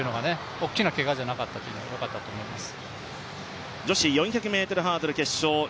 大きなけががなかったというのが良かったと思います。